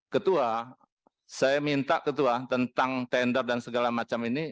ketua saya minta ketua tentang tender dan segala macam ini